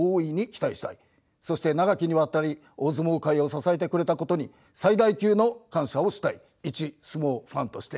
そして長きにわたり大相撲界を支えてくれたことに最大級の感謝をしたい一相撲ファンとして。